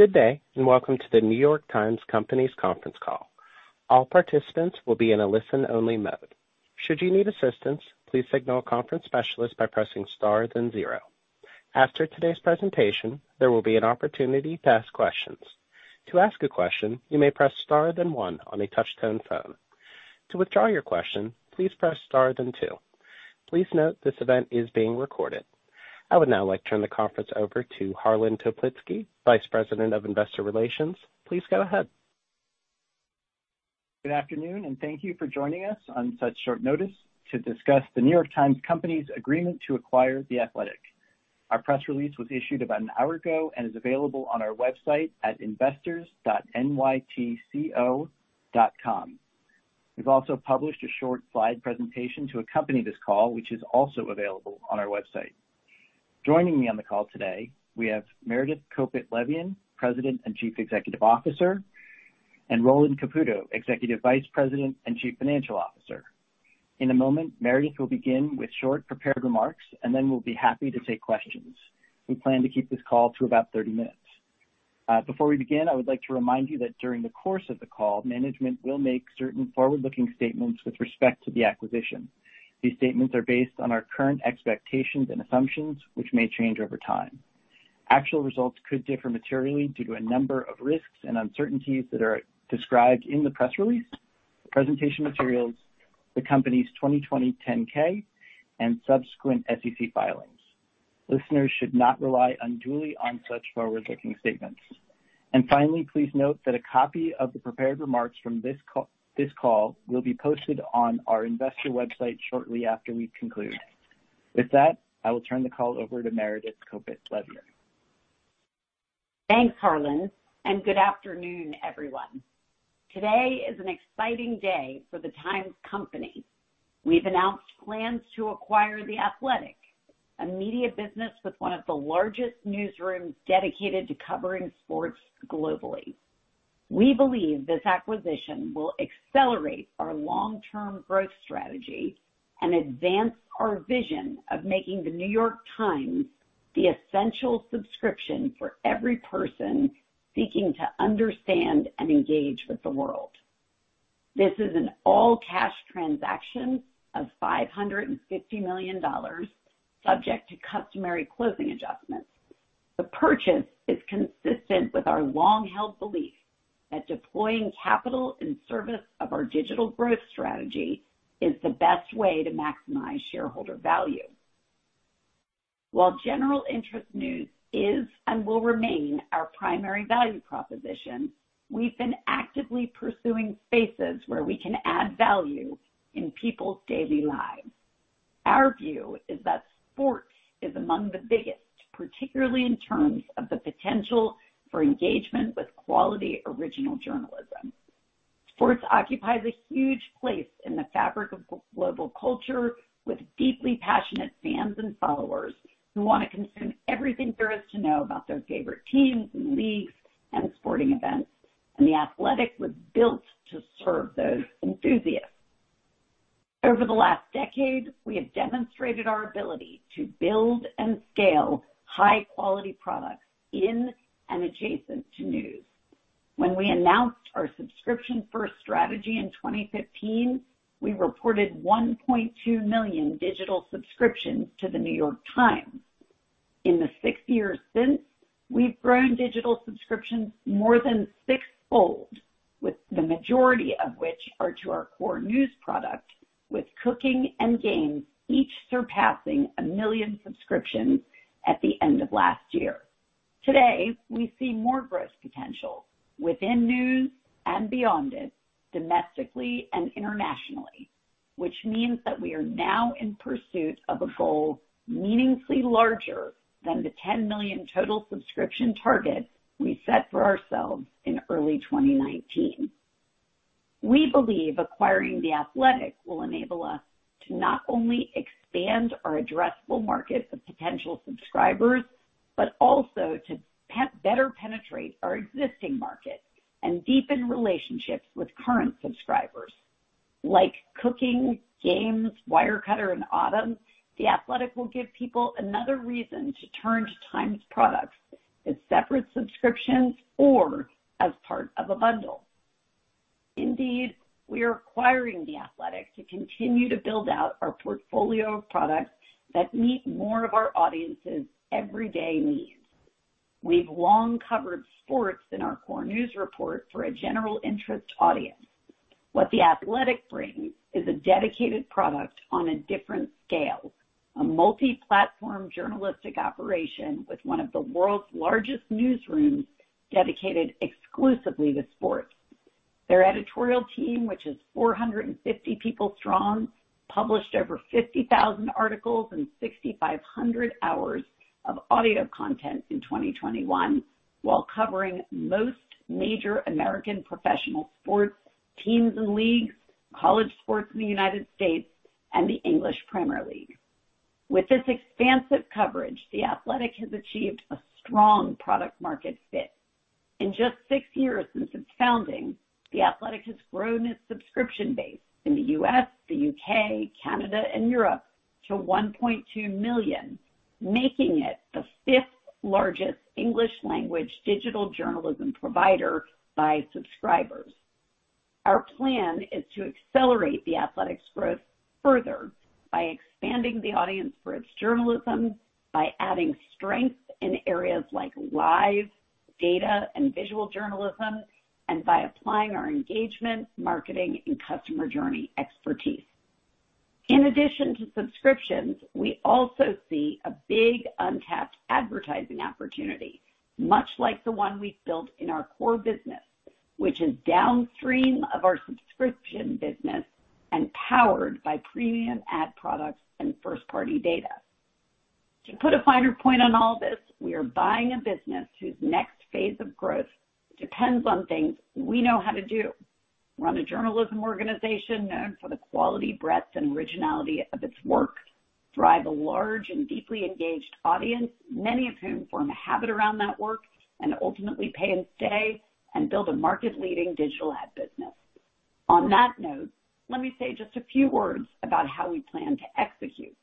Good day, and welcome to The New York Times Company conference call. All participants will be in a listen-only mode. Should you need assistance, please signal a conference specialist by pressing star then zero. After today's presentation, there will be an opportunity to ask questions. To ask a question, you may press star then one on a touch-tone phone. To withdraw your question, please press star then two. Please note this event is being recorded. I would now like to turn the conference over to Harlan Toplitzky, Vice President of Investor Relations. Please go ahead. Good afternoon, and thank you for joining us on such short notice to discuss The New York Times Company's agreement to acquire The Athletic. Our press release was issued about an hour ago and is available on our website at investors.nytco.com. We've also published a short slide presentation to accompany this call, which is also available on our website. Joining me on the call today, we have Meredith Kopit Levien, President and Chief Executive Officer, and Roland Caputo, Executive Vice President and Chief Financial Officer. In a moment, Meredith will begin with short prepared remarks, and then we'll be happy to take questions. We plan to keep this call to about 30 minutes. Before we begin, I would like to remind you that during the course of the call, management will make certain forward-looking statements with respect to the acquisition. These statements are based on our current expectations and assumptions, which may change over time. Actual results could differ materially due to a number of risks and uncertainties that are described in the press release, the presentation materials, the company's 2020 10-K and subsequent SEC filings. Listeners should not rely unduly on such forward-looking statements. Finally, please note that a copy of the prepared remarks from this call will be posted on our investor website shortly after we conclude. With that, I will turn the call over to Meredith Kopit Levien. Thanks, Harlan, and good afternoon, everyone. Today is an exciting day for The Times Company. We've announced plans to acquire The Athletic, a media business with one of the largest newsrooms dedicated to covering sports globally. We believe this acquisition will accelerate our long-term growth strategy and advance our vision of making The New York Times the essential subscription for every person seeking to understand and engage with the world. This is an all-cash transaction of $550 million, subject to customary closing adjustments. The purchase is consistent with our long-held belief that deploying capital in service of our digital growth strategy is the best way to maximize shareholder value. While general interest news is and will remain our primary value proposition, we've been actively pursuing spaces where we can add value in people's daily lives. Our view is that sports is among the biggest, particularly in terms of the potential for engagement with quality original journalism. Sports occupies a huge place in the fabric of global culture with deeply passionate fans and followers who wanna consume everything there is to know about their favorite teams and leagues and sporting events. The Athletic was built to serve those enthusiasts. Over the last decade, we have demonstrated our ability to build and scale high-quality products in and adjacent to news. When we announced our subscription-first strategy in 2015, we reported 1.2 million digital subscriptions to The New York Times. In the six years since, we've grown digital subscriptions more than six-fold, with the majority of which are to our core news product, with Cooking and Games each surpassing 1 million subscriptions at the end of last year. Today, we see more growth potential within news and beyond it, domestically and internationally, which means that we are now in pursuit of a goal meaningfully larger than the 10 million total subscription target we set for ourselves in early 2019. We believe acquiring The Athletic will enable us to not only expand our addressable market of potential subscribers, but also to better penetrate our existing market and deepen relationships with current subscribers. Like Cooking, Games, Wirecutter, and Audm, The Athletic will give people another reason to turn to Times products as separate subscriptions or as part of a bundle. Indeed, we are acquiring The Athletic to continue to build out our portfolio of products that meet more of our audience's everyday needs. We've long covered sports in our core news report for a general interest audience. What The Athletic brings is a dedicated product on a different scale, a multi-platform journalistic operation with one of the world's largest newsrooms dedicated exclusively to sports. Their editorial team, which is 450 people strong, published over 50,000 articles and 6,500 hours of audio content in 2021 while covering most major American professional sports teams and leagues, college sports in the United States, and the English Premier League. With this expansive coverage, The Athletic has achieved a strong product-market fit. In just six years since its founding, The Athletic has grown its subscription base in the U.S., the U.K., Canada, and Europe to 1.2 million, making it the fifth-largest English language digital journalism provider by subscribers. Our plan is to accelerate The Athletic's growth further by expanding the audience for its journalism, by adding strength in areas like live data and visual journalism, and by applying our engagement, marketing, and customer journey expertise. In addition to subscriptions, we also see a big untapped advertising opportunity, much like the one we've built in our core business, which is downstream of our subscription business and powered by premium ad products and first-party data. To put a finer point on all this, we are buying a business whose next phase of growth depends on things we know how to do. Run a journalism organization known for the quality, breadth, and originality of its work, drive a large and deeply engaged audience, many of whom form a habit around that work and ultimately pay and stay and build a market-leading digital ad business. On that note, let me say just a few words about how we plan to execute.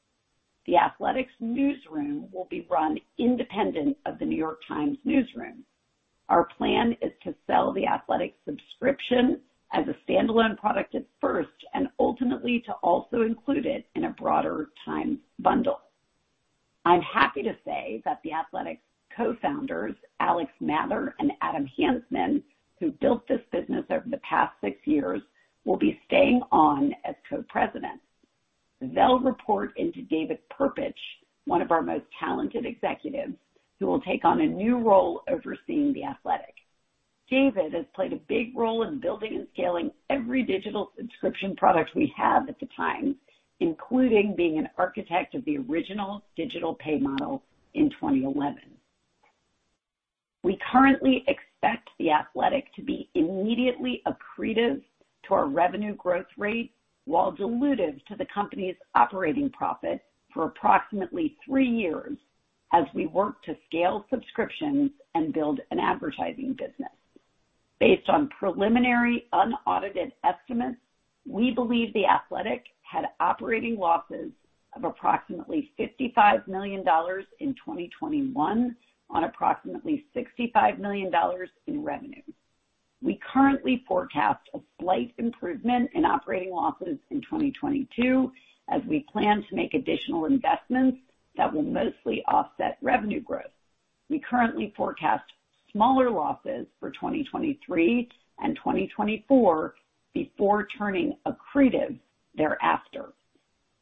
The Athletic's newsroom will be run independent of The New York Times newsroom. Our plan is to sell The Athletic subscription as a standalone product at first, and ultimately to also include it in a broader Times bundle. I'm happy to say that The Athletic's co-founders, Alex Mather and Adam Hansmann, who built this business over the past six years, will be staying on as co-presidents. They'll report into David Perpich, one of our most talented executives, who will take on a new role overseeing The Athletic. David has played a big role in building and scaling every digital subscription product we have at The Times, including being an architect of the original digital pay model in 2011. We currently expect The Athletic to be immediately accretive to our revenue growth rate while dilutive to the company's operating profit for approximately three years as we work to scale subscriptions and build an advertising business. Based on preliminary, unaudited estimates, we believe The Athletic had operating losses of approximately $55 million in 2021 on approximately $65 million in revenue. We currently forecast a slight improvement in operating losses in 2022 as we plan to make additional investments that will mostly offset revenue growth. We currently forecast smaller losses for 2023 and 2024 before turning accretive thereafter.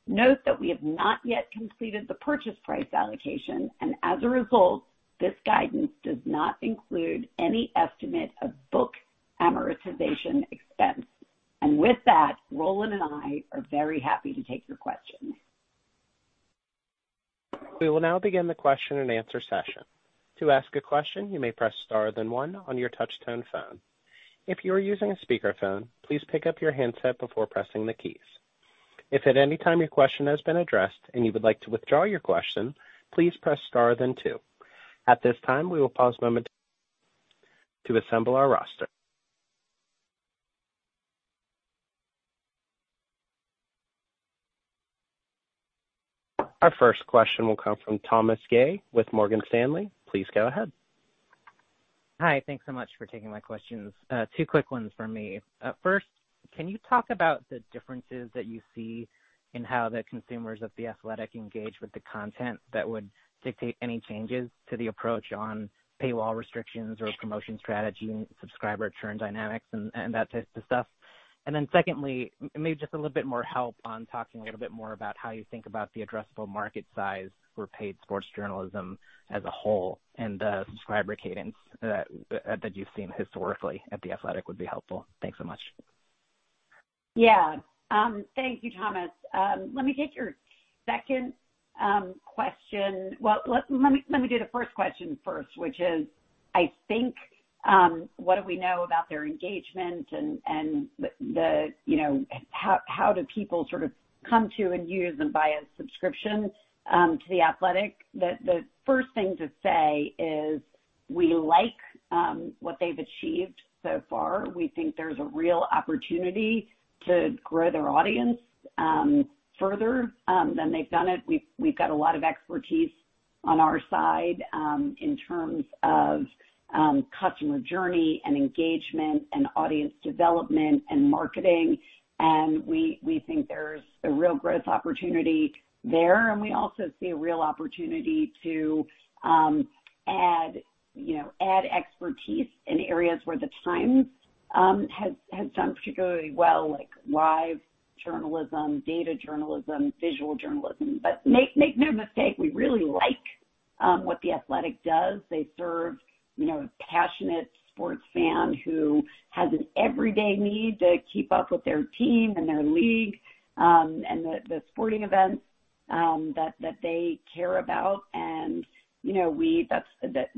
Note that we have not yet completed the purchase price allocation, and as a result, this guidance does not include any estimate of book amortization expense. With that, Roland and I are very happy to take your questions. We will now begin the question-and-answer session. To ask a question, you may press star then one on your touchtone phone. If you are using a speakerphone, please pick up your handset before pressing the keys. If at any time your question has been addressed and you would like to withdraw your question, please press star then two. At this time, we will pause momentarily to assemble our roster. Our first question will come from Thomas Yeh with Morgan Stanley. Please go ahead. Hi. Thanks so much for taking my questions. Two quick ones from me. First, can you talk about the differences that you see in how the consumers of The Athletic engage with the content that would dictate any changes to the approach on paywall restrictions or promotion strategy, subscriber churn dynamics and that type of stuff? Secondly, maybe just a little bit more help on talking a little bit more about how you think about the addressable market size for paid sports journalism as a whole and the subscriber cadence that you've seen historically at The Athletic would be helpful. Thanks so much. Yeah. Thank you, Thomas. Let me take your second question. Well, let me do the first question first, which is, I think, what do we know about their engagement and the, you know, how people sort of come to and use and buy a subscription to The Athletic? The first thing to say is we like what they've achieved so far. We think there's a real opportunity to grow their audience further than they've done it. We've got a lot of expertise on our side in terms of customer journey and engagement and audience development and marketing, and we think there's a real growth opportunity there. We also see a real opportunity to add you know add expertise in areas where The Times has done particularly well, like live journalism, data journalism, visual journalism. But make no mistake, we really like what The Athletic does. They serve you know a passionate sports fan who has an everyday need to keep up with their team and their league and the sporting events that they care about. You know that's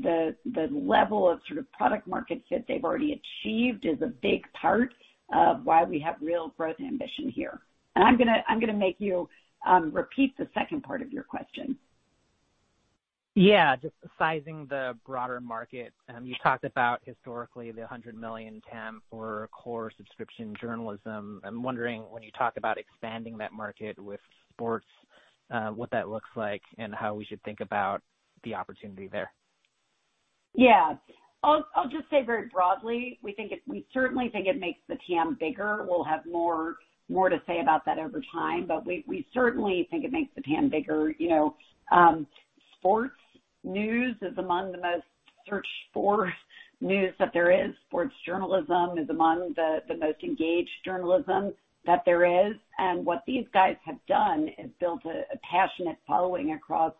the level of sort of product market fit they've already achieved is a big part of why we have real growth ambition here. I'm gonna make you repeat the second part of your question. Yeah, just sizing the broader market. You talked about historically the 100 million TAM for core subscription journalism. I'm wondering, when you talk about expanding that market with sports, what that looks like and how we should think about the opportunity there. Yeah. I'll just say very broadly, we certainly think it makes the TAM bigger. We'll have more to say about that over time, but we certainly think it makes the TAM bigger. You know, sports news is among the most searched for news that there is. Sports journalism is among the most engaged journalism that there is. What these guys have done is built a passionate following across,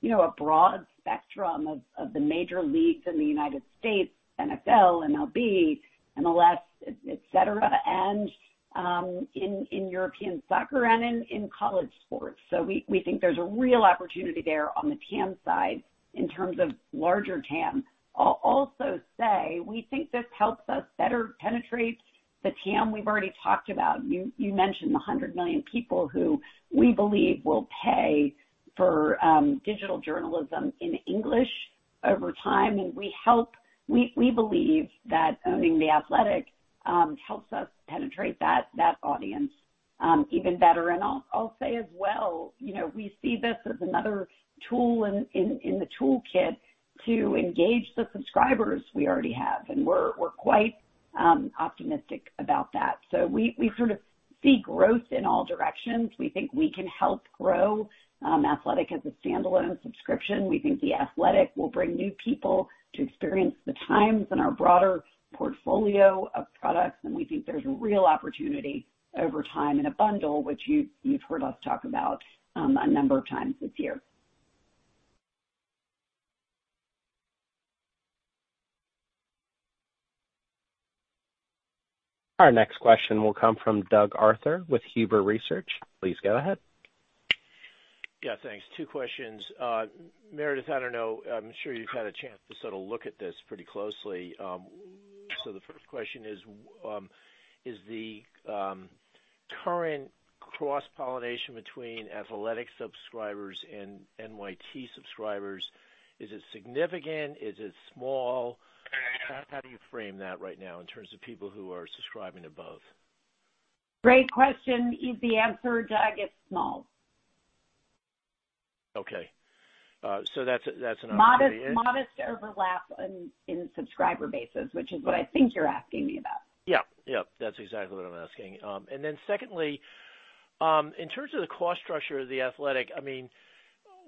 you know, a broad spectrum of the major leagues in the United States, NFL, MLB, MLS, et cetera, and in European soccer and in college sports. We think there's a real opportunity there on the TAM side in terms of larger TAM. I'll also say we think this helps us better penetrate the TAM we've already talked about. You mentioned the 100 million people who we believe will pay for digital journalism in English over time. We believe that owning The Athletic helps us penetrate that audience even better. I'll say as well, you know, we see this as another tool in the toolkit to engage the subscribers we already have, and we're quite optimistic about that. We sort of see growth in all directions. We think we can help grow Athletic as a standalone subscription. We think The Athletic will bring new people to experience The Times and our broader portfolio of products, and we think there's real opportunity over time in a bundle, which you've heard us talk about a number of times this year. Our next question will come from Doug Arthur with Huber Research Partners. Please go ahead. Yeah, thanks. Two questions. Meredith, I don't know, I'm sure you've had a chance to sort of look at this pretty closely. So the first question is the current cross-pollination between Athletic subscribers and NYT subscribers, is it significant? Is it small? How do you frame that right now in terms of people who are subscribing to both? Great question. Easy answer, Doug, it's small. Okay. That's an- Modest overlap in subscriber bases, which is what I think you're asking me about. Yeah. Yeah. That's exactly what I'm asking. Secondly, in terms of the cost structure of The Athletic, I mean,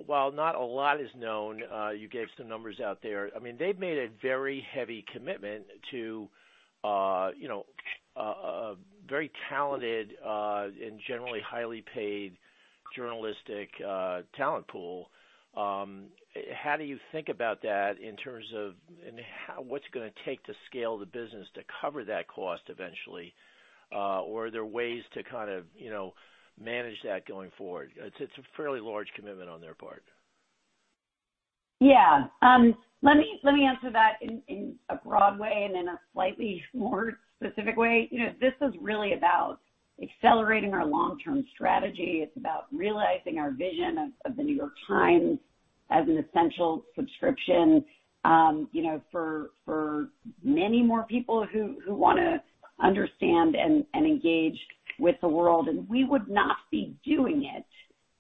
while not a lot is known, you gave some numbers out there. I mean, they've made a very heavy commitment to, you know, a very talented and generally highly paid journalistic talent pool. How do you think about that in terms of what's it gonna take to scale the business to cover that cost eventually? Are there ways to kind of, you know, manage that going forward? It's a fairly large commitment on their part. Yeah. Let me answer that in a broad way and in a slightly more specific way. You know, this is really about accelerating our long-term strategy. It's about realizing our vision of The New York Times as an essential subscription, you know, for many more people who wanna understand and engage with the world. We would not be doing it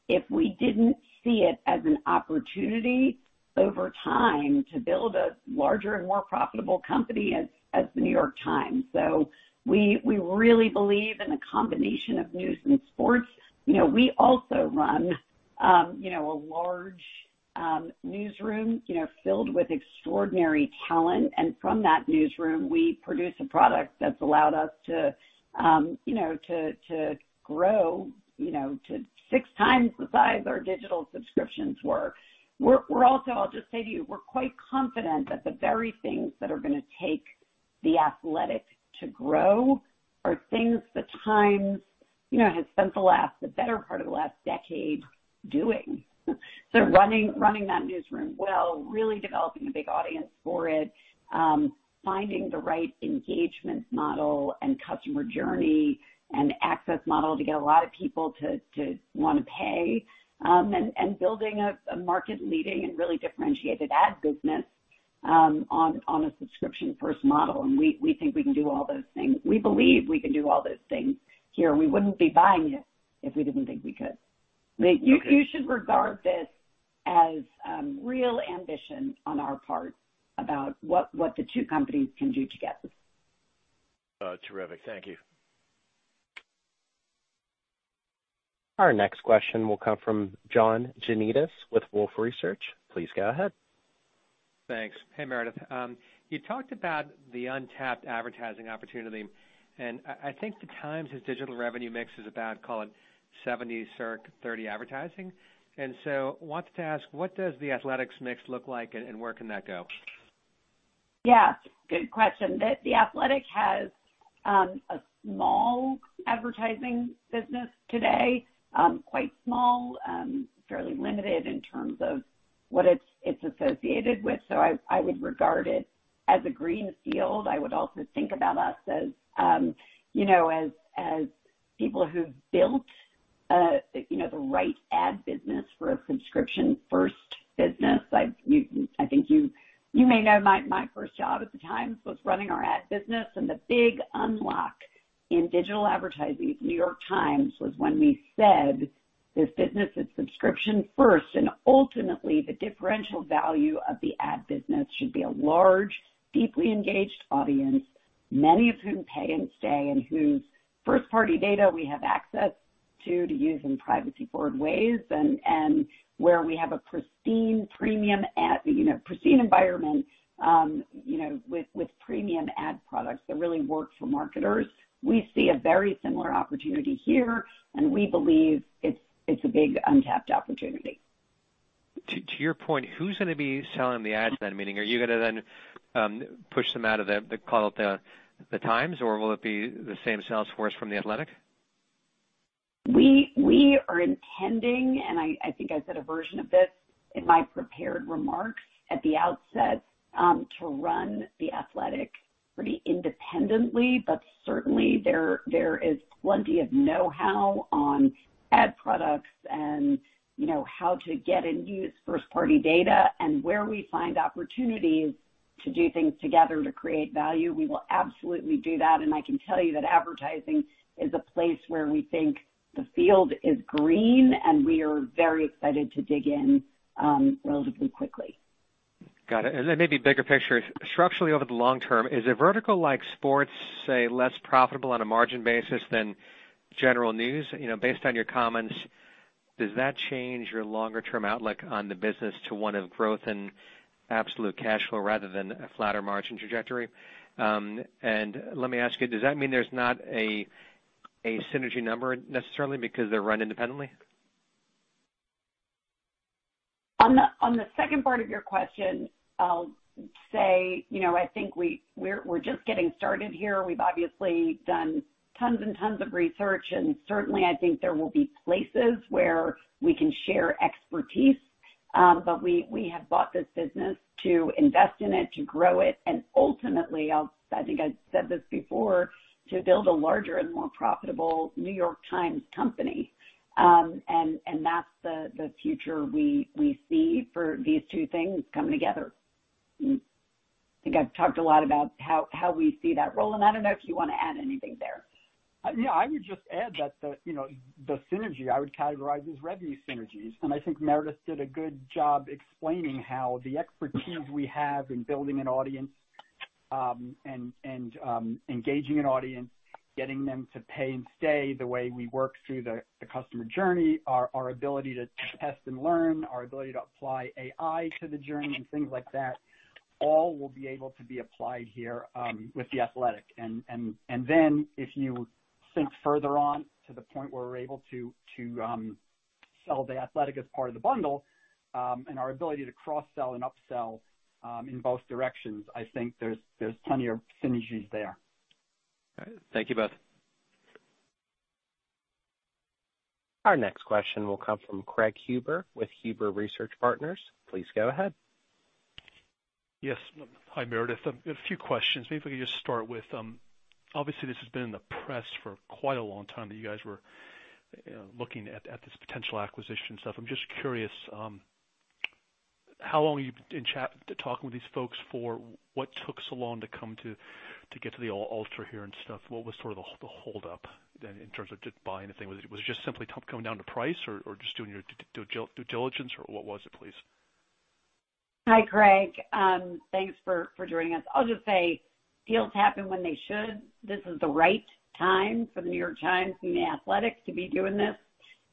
if we didn't see it as an opportunity over time to build a larger and more profitable company as The New York Times. We really believe in the combination of news and sports. You know, we also run a large newsroom, you know, filled with extraordinary talent. From that newsroom, we produce a product that's allowed us to you know to grow you know to six times the size our digital subscriptions were. We're also, I'll just say to you, we're quite confident that the very things that are gonna take The Athletic to grow are things The Times you know has spent the last the better part of the last decade doing. Running that newsroom well, really developing a big audience for it, finding the right engagement model and customer journey and access model to get a lot of people to wanna pay, and building a market-leading and really differentiated ad business on a subscription-first model. We think we can do all those things. We believe we can do all those things here, and we wouldn't be buying it if we didn't think we could. Okay. You should regard this as real ambition on our part about what the two companies can do together. Terrific. Thank you. Our next question will come from John Janedis with Wolfe Research. Please go ahead. Thanks. Hey, Meredith. You talked about the untapped advertising opportunity, and I think The Times' digital revenue mix is about, call it 70%, circa 30% advertising. Wanted to ask, what does The Athletic's mix look like and where can that go? Yeah, good question. The Athletic has a small advertising business today, quite small, fairly limited in terms of what it's associated with, so I would regard it as a green field. I would also think about us as, you know, as people who've built, you know, the right ad business for a subscription-first business. I think you may know my first job at The Times was running our ad business, and the big unlock in digital advertising at New York Times was when we said this business is subscription first. Ultimately, the differential value of the ad business should be a large, deeply engaged audience, many of whom pay and stay, and whose first-party data we have access to use in privacy-forward ways, and where we have a pristine premium ad, you know, pristine environment, you know, with premium ad products that really work for marketers. We see a very similar opportunity here, and we believe it's a big untapped opportunity. To your point, who's gonna be selling the ads then? Meaning, are you gonna then push them out of the call it the Times, or will it be the same sales force from The Athletic? We are intending, and I think I said a version of this in my prepared remarks at the outset, to run The Athletic pretty independently. Certainly there is plenty of know-how on ad products and, you know, how to get and use first-party data. Where we find opportunities to do things together to create value, we will absolutely do that. I can tell you that advertising is a place where we think the field is green, and we are very excited to dig in, relatively quickly. Got it. Maybe bigger picture. Structurally, over the long term, is a vertical like sports, say, less profitable on a margin basis than general news? You know, based on your comments, does that change your longer-term outlook on the business to one of growth and absolute cash flow rather than a flatter margin trajectory? Let me ask you, does that mean there's not a synergy number necessarily because they're run independently? On the second part of your question, I'll say, you know, I think we're just getting started here. We've obviously done tons and tons of research, and certainly I think there will be places where we can share expertise. We have bought this business to invest in it, to grow it, and ultimately, I think I've said this before, to build a larger and more profitable New York Times Company. That's the future we see for these two things coming together. I think I've talked a lot about how we see that role, and I don't know if you wanna add anything there. No, I would just add that you know, the synergy I would categorize as revenue synergies. I think Meredith did a good job explaining how the expertise we have in building an audience, engaging an audience, getting them to pay and stay the way we work through the customer journey, our ability to test and learn, our ability to apply AI to the journey and things like that, all will be able to be applied here, with The Athletic. Then if you think further on to the point where we're able to sell The Athletic as part of the bundle, and our ability to cross-sell and upsell, in both directions, I think there's plenty of synergies there. All right. Thank you both. Our next question will come from Craig Huber with Huber Research Partners. Please go ahead. Yes. Hi, Meredith. A few questions. Maybe if we could just start with, obviously this has been in the press for quite a long time that you guys were looking at this potential acquisition stuff. I'm just curious, how long you've been talking with these folks for? What took so long to come to get to the altar here and stuff? What was sort of the hold up then in terms of just buying the thing? Was it just simply coming down to price or just doing your due diligence or what was it, please? Hi, Craig. Thanks for joining us. I'll just say deals happen when they should. This is the right time for The New York Times and The Athletic to be doing this.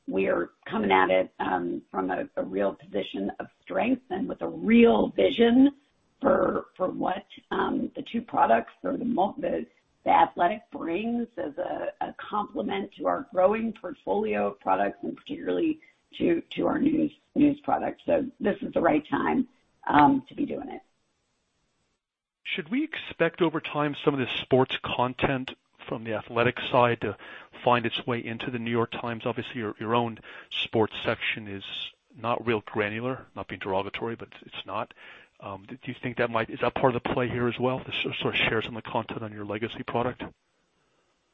We are coming at it from a real position of strength and with a real vision for what the two products or The Athletic brings as a complement to our growing portfolio of products and particularly to our news products. This is the right time to be doing it. Should we expect over time some of the sports content from The Athletic side to find its way into The New York Times? Obviously, your own sports section is not real granular. Not being derogatory, but it's not. Do you think that might be part of the play here as well, the sort of sharing of the content on your legacy product?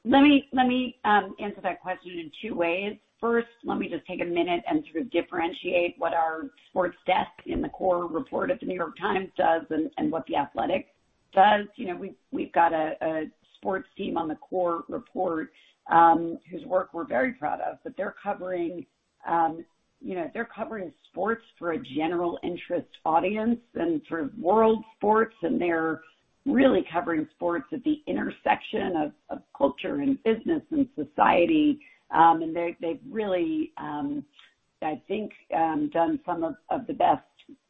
Let me answer that question in two ways. First, let me just take a minute and sort of differentiate what our sports desk in the core report of The New York Times does and what The Athletic does. You know, we've got a sports team on the core report, whose work we're very proud of, but they're covering, you know, sports for a general interest audience and sort of world sports, and they're really covering sports at the intersection of culture and business and society. They've really, I think, done some of the best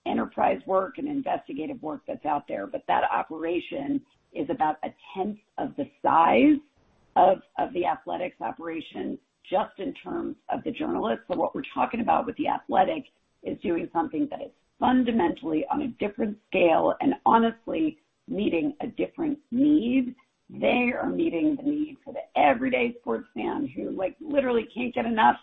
enterprise work and investigative work that's out there. That operation is about 1/10 of the size of The Athletic's operation just in terms of the journalists. What we're talking about with The Athletic is doing something that is fundamentally on a different scale and honestly meeting a different need. They are meeting the need for the everyday sports fan who, like, literally can't get enough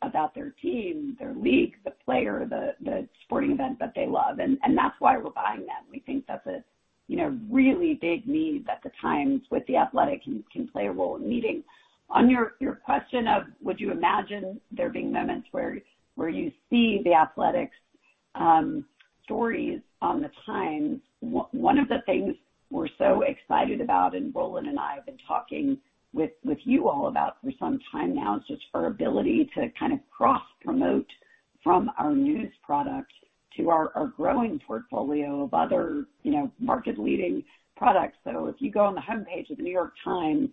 about their team, their league, the player, the sporting event that they love, and that's why we're buying them. We think that's a, you know, really big need that The Times with The Athletic can play a role in meeting. On your question of would you imagine there being moments where you see The Athletic's stories on The Times, one of the things we're so excited about, and Roland and I have been talking with you all about for some time now, is just our ability to kind of cross-promote from our news product to our growing portfolio of other, you know, market-leading products. If you go on the homepage of The New York Times,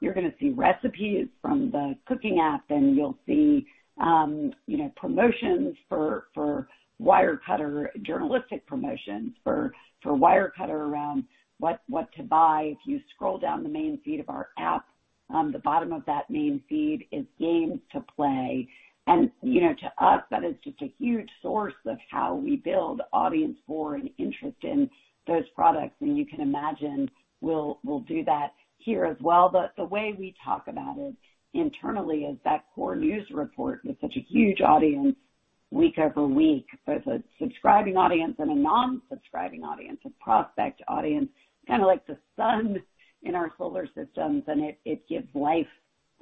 you're gonna see recipes from the Cooking app, and you'll see, you know, promotions for Wirecutter, journalistic promotions for Wirecutter around what to buy. If you scroll down the main feed of our app, the bottom of that main feed is Games to play. You know, to us, that is just a huge source of how we build audience for and interest in those products. You can imagine we'll do that here as well. The way we talk about it internally is that core news report with such a huge audience week over week, both a subscribing audience and a non-subscribing audience, a prospect audience, kinda like the sun in our solar systems, and it gives life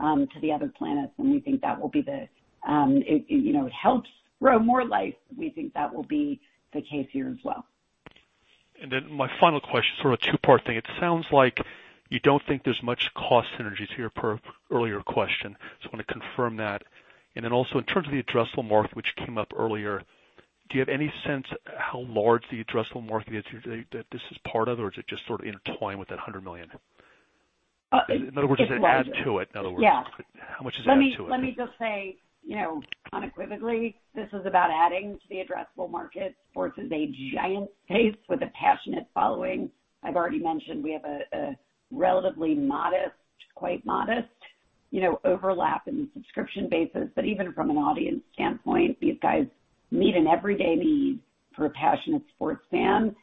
to the other planets. You know, it helps grow more life. We think that will be the case here as well. My final question, sort of a two-part thing. It sounds like you don't think there's much cost synergies here, per earlier question. Just wanna confirm that. Also in terms of the addressable market which came up earlier, do you have any sense how large the addressable market is that this is part of or is it just sort of intertwined with that 100 million? Uh, it- In other words, does it add to it, in other words? Yeah. How much does it add to it? Let me just say, you know, unequivocally, this is about adding to the addressable market. Sports is a giant space with a passionate following. I've already mentioned we have a relatively modest, quite modest, you know, overlap in the subscription basis. Even from an audience standpoint, these guys meet an everyday need for a passionate sports fan.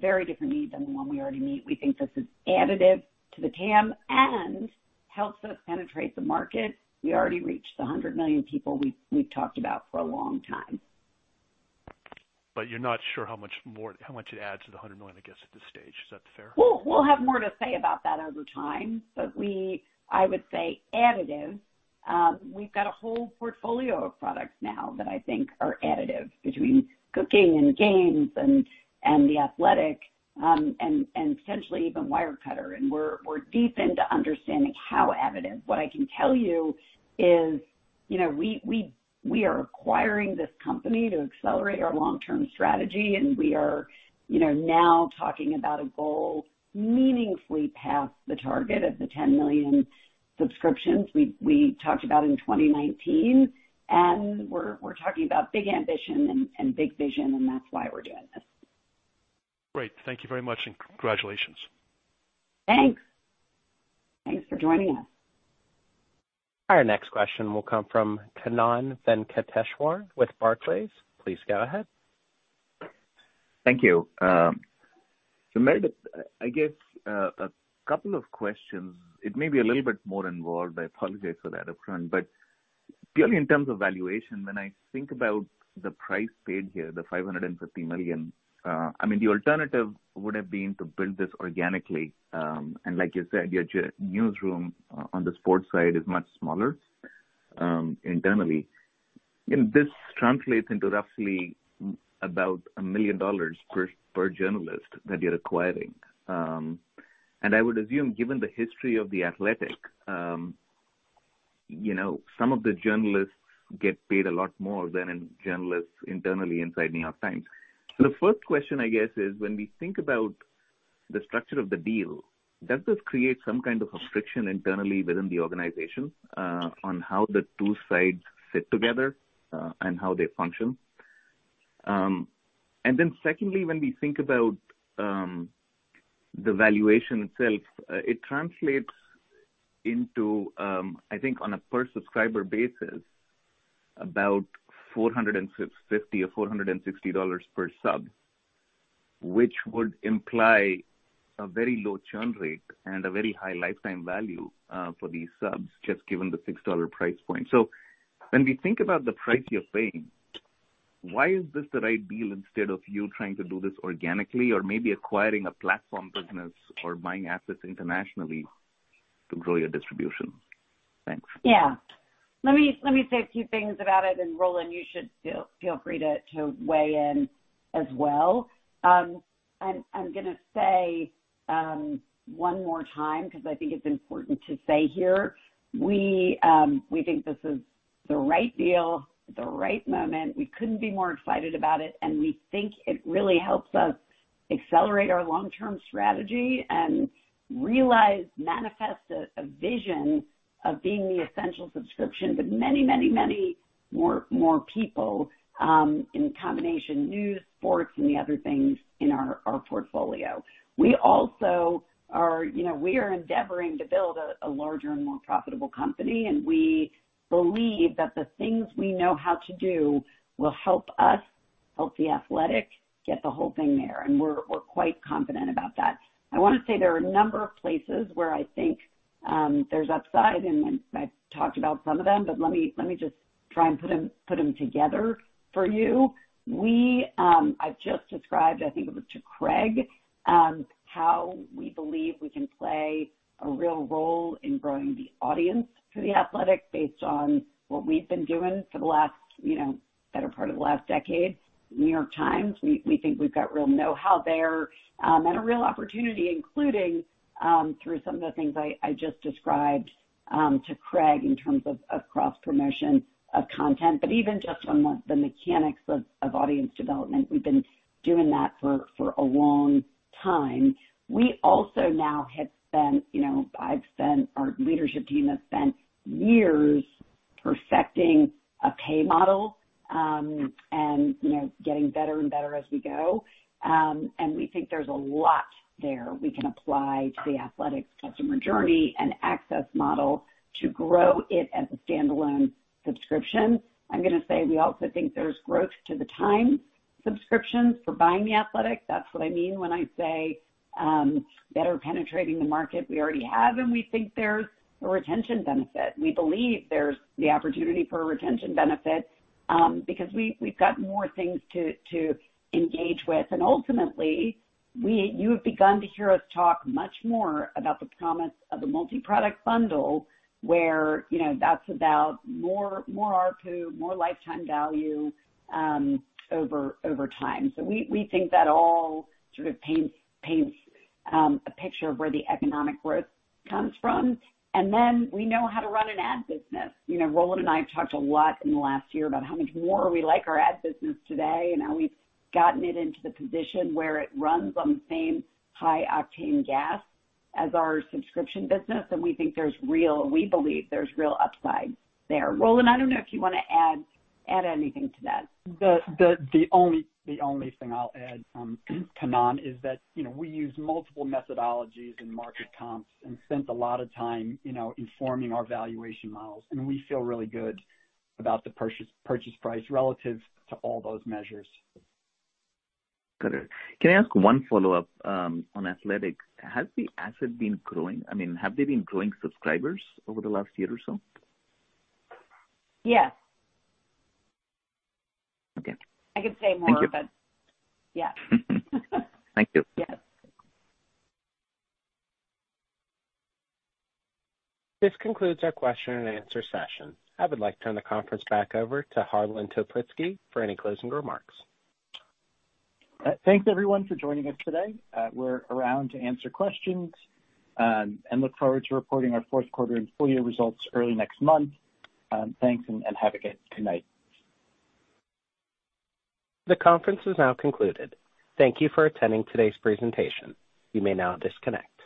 Very different need than the one we already meet. We think this is additive to the TAM and helps us penetrate the market. We already reached the 100 million people we've talked about for a long time. You're not sure how much more, how much it adds to the 100 million, I guess, at this stage. Is that fair? Well, we'll have more to say about that over time, but I would say additive. We've got a whole portfolio of products now that I think are additive between Cooking and Games and The Athletic, and potentially even Wirecutter, and we're deep into understanding how additive. What I can tell you is, you know, we are acquiring this company to accelerate our long-term strategy, and we are, you know, now talking about a goal meaningfully past the target of the 10 million subscriptions we talked about in 2019. We're talking about big ambition and big vision, and that's why we're doing this. Great. Thank you very much, and congratulations. Thanks. Thanks for joining us. Our next question will come from Kannan Venkateshwar with Barclays. Please go ahead. Thank you. So Meredith, I guess, a couple of questions. It may be a little bit more involved, I apologize for that up front. Purely in terms of valuation, when I think about the price paid here, the $550 million, I mean, the alternative would have been to build this organically. Like you said, your newsroom on the sports side is much smaller, internally. This translates into roughly about $1 million per journalist that you're acquiring. I would assume, given the history of The Athletic, you know, some of the journalists get paid a lot more than journalists internally inside New York Times. The first question, I guess, is when we think about the structure of the deal, does this create some kind of a friction internally within the organization, on how the two sides fit together, and how they function? Secondly, when we think about the valuation itself, it translates into, I think on a per subscriber basis, about $450 or $460 per sub, which would imply a very low churn rate and a very high lifetime value, for these subs, just given the $6 price point. When we think about the price you're paying, why is this the right deal instead of you trying to do this organically or maybe acquiring a platform business or buying assets internationally to grow your distribution? Thanks. Yeah. Let me say a few things about it, and Roland, you should feel free to weigh in as well. I'm gonna say one more time because I think it's important to say here. We think this is the right deal, the right moment. We couldn't be more excited about it, and we think it really helps us accelerate our long-term strategy and realize, manifest a vision of being the essential subscription to many more people in combination news, sports, and the other things in our portfolio. We are, you know, endeavoring to build a larger and more profitable company, and we believe that the things we know how to do will help us get The Athletic there, and get the whole thing there, and we're quite confident about that. I wanna say there are a number of places where I think there's upside, and I've talked about some of them, but let me just try and put 'em together for you. I've just described, I think it was to Craig, how we believe we can play a real role in growing the audience to The Athletic based on what we've been doing for the last, you know, better part of the last decade. The New York Times, we think we've got real know-how there, and a real opportunity, including through some of the things I just described to Craig in terms of cross-promotion of content. But even just on the mechanics of audience development, we've been doing that for a long time. Our leadership team has spent years perfecting a pay model, you know, and getting better and better as we go. We think there's a lot there we can apply to The Athletic customer journey and access model to grow it as a standalone subscription. I'm gonna say we also think there's growth to The Times subscriptions for buying The Athletic. That's what I mean when I say better penetrating the market we already have, and we think there's a retention benefit. We believe there's the opportunity for a retention benefit because we've got more things to engage with. Ultimately you have begun to hear us talk much more about the promise of a multi-product bundle where, you know, that's about more ARPU, more lifetime value over time. We think that all sort of paints a picture of where the economic growth comes from. We know how to run an ad business. You know, Roland and I have talked a lot in the last year about how much more we like our ad business today and how we've gotten it into the position where it runs on the same high octane gas as our subscription business. We think there's real upside there. We believe there's real upside there. Roland, I don't know if you wanna add anything to that. The only thing I'll add, Kannan, is that, you know, we use multiple methodologies in market comps and spent a lot of time, you know, informing our valuation models, and we feel really good about the purchase price relative to all those measures. Got it. Can I ask one follow-up on Athletic? Has the asset been growing? I mean, have they been growing subscribers over the last year or so? Yes. Okay. I can say more, but. Thank you. Yeah. Thank you. Yes. This concludes our question and answer session. I would like to turn the conference back over to Harlan Toplitzky for any closing remarks. Thanks everyone for joining us today. We're around to answer questions, and look forward to reporting our fourth quarter and full year results early next month. Thanks and have a good night. The conference is now concluded. Thank you for attending today's presentation. You may now disconnect.